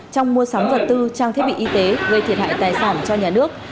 trong mua sắm vật tư trang thiết bị y tế gây thiệt hại tài sản cho nhà nước